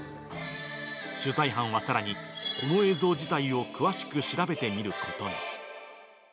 取材班はさらに、この映像自体を詳しく調べてみることに。